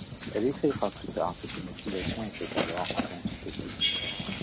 Elle écrira plus tard que ses motivations étaient alors avant tout esthétiques.